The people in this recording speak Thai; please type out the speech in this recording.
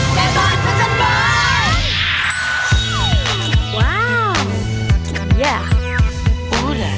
ไฟฟานพันธ์ฟันธ์ฟันธ์